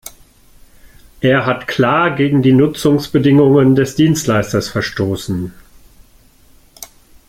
Er hat klar gegen die Nutzungsbedingungen des Dienstleisters verstoßen.